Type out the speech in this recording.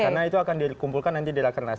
karena itu akan dikumpulkan nanti di rakernas